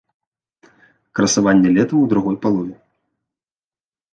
Красаванне летам ў другой палове.